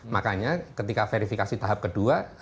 makanya ketika verifikasi tahap kedua